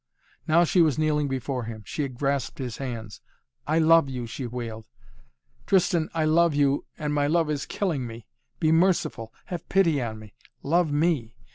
Now she was kneeling before him. She had grasped his hands. "I love you!" she wailed. "Tristan, I love you and my love is killing me! Be merciful. Have pity on me. Love me!